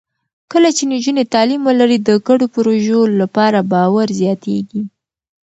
کله چې نجونې تعلیم ولري، د ګډو پروژو لپاره باور زیاتېږي.